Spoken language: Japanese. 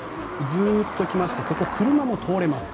ずっと行きましてここは車も通れます。